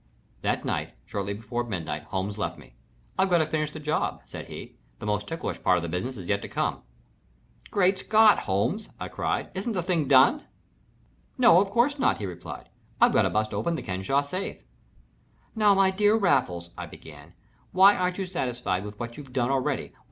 That night, shortly before midnight, Holmes left me. "I've got to finish this job," said he. "The most ticklish part of the business is yet to come." "Great Scott, Holmes!" I cried. "Isn't the thing done?" "No of course not," he replied. "I've got to bust open the Kenesaw safe." "Now, my dear Raffles," I began, "why aren't you satisfied with what you've done already.